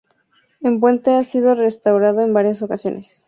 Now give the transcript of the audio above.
El puente ha sido restaurado en varias ocasiones.